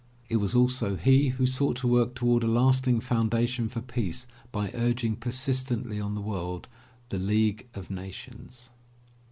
It was also he who sought to work toward a lasting foundation for peace by urging persistent ly on the world the League of Nations.